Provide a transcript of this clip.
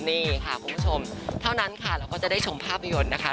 นี่ค่ะคุณผู้ชมเท่านั้นค่ะเราก็จะได้ชมภาพยนตร์นะคะ